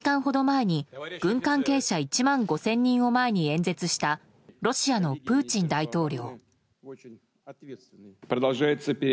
２時間ほど前に軍関係者１万５０００人を前に演説したロシアのプーチン大統領。